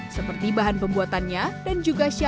seperti bahan pembuatannya dan jenis gitar